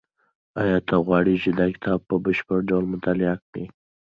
ایا ته غواړې چې دا کتاب په بشپړ ډول مطالعه کړې؟